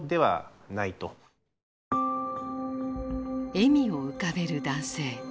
笑みを浮かべる男性。